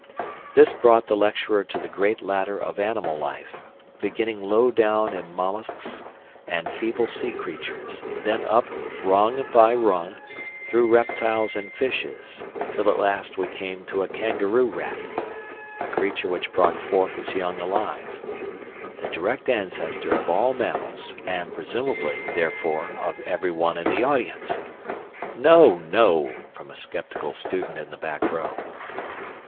This brought the lecturer to the great ladder of animal life, beginning low down in molluscs and feeble sea creatures, then up rung by rung through reptiles and fishes, till at last we came to a kangaroo rat, a creature which brought forth its young alive, the direct ancestor of all mammals, and presumably, therefore, of everyone in the audience. ("No, no," from a sceptical student in the back row.)